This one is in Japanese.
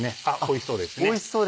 おいしそうですね。